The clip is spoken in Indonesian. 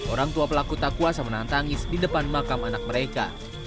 orang tua pelaku tak kuasa menahan tangis di depan makam anak mereka